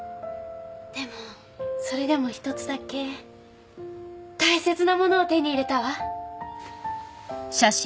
でもそれでも１つだけ大切なものを手に入れたわ。